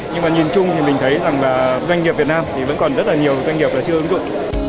nhưng nhìn chung mình thấy doanh nghiệp việt nam vẫn còn rất nhiều doanh nghiệp chưa ứng dụng